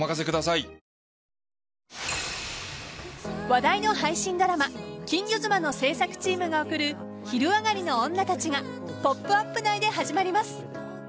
話題の配信ドラマ「金魚妻」の製作チームが送る「昼上がりのオンナたち」が「ポップＵＰ！」内で始まります。